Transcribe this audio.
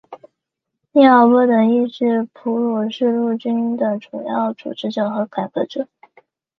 利奥波德亦是普鲁士陆军的主要组织者和改革者。